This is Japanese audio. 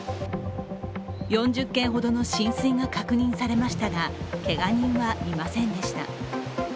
４０軒ほどの浸水が確認されましたが、けが人はいませんでした。